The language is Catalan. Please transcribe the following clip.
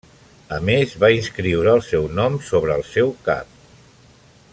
A més, va inscriure el seu nom sobre el seu cap.